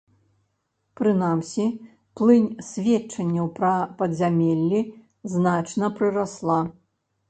Прынамсі, плынь сведчанняў пра падзямеллі значна прырасла.